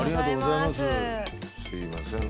すいません。